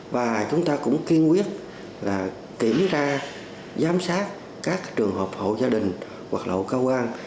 và chúng ta cũng kiên quyết là kiểm tra giám sát các trường hợp hộ gia đình hoặc lộ cao quang